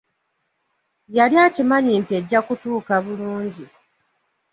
Yali akimanyi nti ejja kutuuka bulungi.